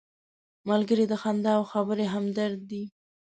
ملګری د خندا او خبرې همدرد دی